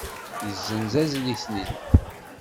Yessenz adlis-nni.